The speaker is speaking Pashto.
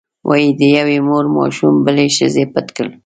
وایي د یوې مور ماشوم بلې ښځې پټ کړ.